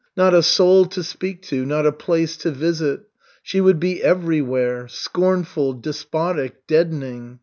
Not a soul to speak to, not a place to visit. She would be everywhere, scornful, despotic, deadening.